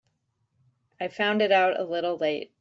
I found it out a little late.